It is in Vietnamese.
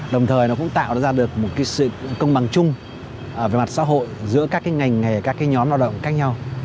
đồng thời nó cũng tạo ra được một sự công bằng chung về mặt xã hội giữa các ngành hay các nhóm lao động khác nhau